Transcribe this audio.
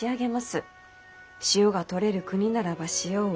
塩が取れる国ならば塩を。